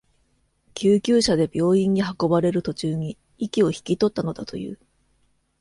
救急車で病院に運ばれる途中に、息を引き取ったのだという。